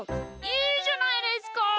いいじゃないですか。